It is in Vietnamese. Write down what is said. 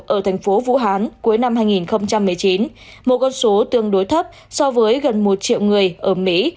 ở thành phố vũ hán cuối năm hai nghìn một mươi chín một con số tương đối thấp so với gần một triệu người ở mỹ